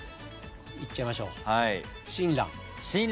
いっちゃいましょう。